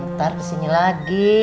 ntar kesini lagi